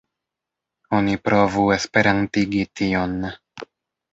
Oni provu esperantigi tion.